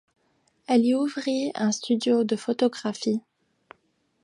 Elle y ouvrit un studio de photographie.